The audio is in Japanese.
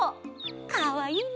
かわいいね。